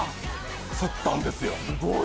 吊ったんですよ